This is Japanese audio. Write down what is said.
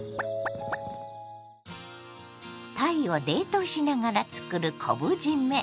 たいを冷凍しながらつくる昆布じめ。